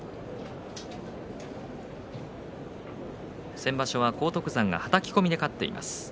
先場所は荒篤山がはたき込みで勝っています。